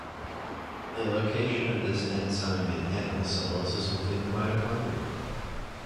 The location of this enzyme in animal cells is within the mitochondria.